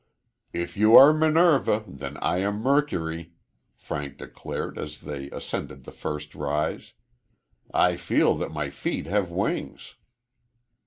"If you are Minerva, then I am Mercury," Frank declared as they ascended the first rise. "I feel that my feet have wings."